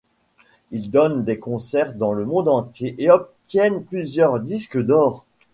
Ils donnent des concerts dans le monde entier et obtiennent plusieurs disques d'or.